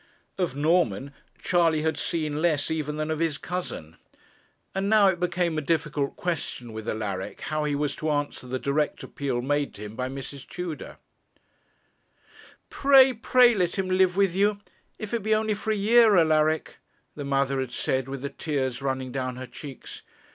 Of Norman, Charley had seen less even than of his cousin. And now it became a difficult question with Alaric how he was to answer the direct appeal made to him by Mrs. Tudor; 'Pray, pray let him live with you, if it be only for a year, Alaric,' the mother had said, with the tears running down her cheeks.